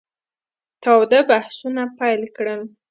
تاوده بحثونه پیل کړل.